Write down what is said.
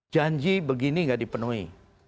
janji begini tidak dipenuhi